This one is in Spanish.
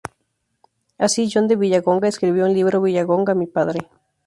Así, John de Vilallonga escribió un libro, "Vilallonga, mi padre.